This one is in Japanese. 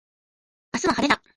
明日は晴れだ。